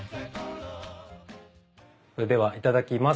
それではいただきます。